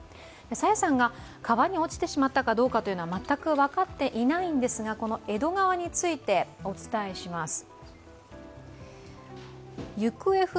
朝芽さんが川に落ちてしまったかどうかは全く分かっていないんですが、この江戸川についてお伝えします。